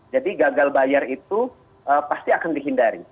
jadi gagal bayar itu pasti akan dihindari